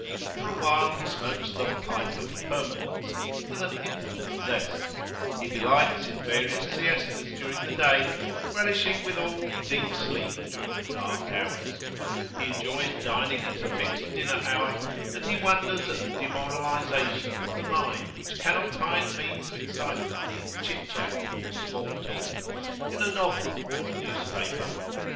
For a while he smokes the "pipe of permanence"[FN#1] with an infinite zest; he delights in various siestas during the day, relishing withal deep sleep during the dark hours; he enjoys dining at a fixed dinner hour, and he wonders at the demoralisation of the mind which cannot find means of excitement in chit chat or small talk, in a novel or a newspaper.